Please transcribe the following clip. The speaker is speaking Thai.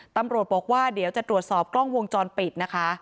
ตำรวจบอกว่าเดี๋ยวจะตรวจสอบกล้องวงจรปิดนะคะ